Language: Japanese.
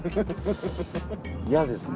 嫌ですね。